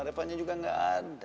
repotnya juga nggak ada